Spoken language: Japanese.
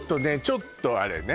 ちょっとあれね